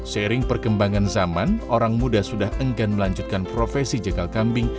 seiring perkembangan zaman orang muda sudah enggan melanjutkan profesi jegal kambing